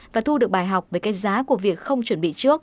và thu được bài học về cái giá của việc không chuẩn bị trước